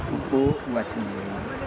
pupuk buat sendiri